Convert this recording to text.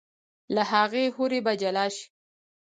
لۀ هغې حورې به جدا شي